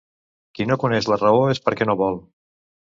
Qui no coneix la raó és perquè no vol.